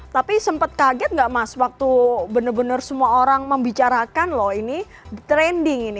tapi sempat kaget nggak mas waktu benar benar semua orang membicarakan loh ini trending ini